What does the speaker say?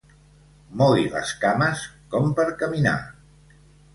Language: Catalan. Mogui les cames com per caminar.